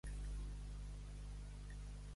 Entrar-se com l'estamenya.